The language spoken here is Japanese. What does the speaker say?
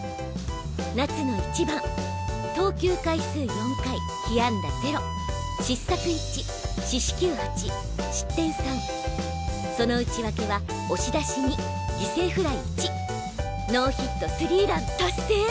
夏野一番投球回数４回被安打０失策１四死球８失点３その内訳は押し出し２犠牲フライ１ノーヒットスリーラン達成！？